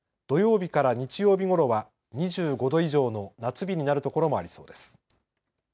土曜日から日曜日ごろは２５度以上の夏日になるところもありそうです。